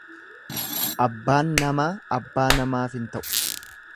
Abbaan namaa abbaa namaaf hin ta'u.